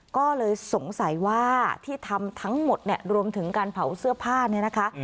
ก็เลยสงสัยว่าที่ทำทั้งหมดเนี่ยรวมถึงการเผาเสื้อผ้าเนี่ยนะคะ